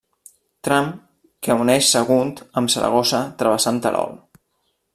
Tram que uneix Sagunt amb Saragossa travessant Terol.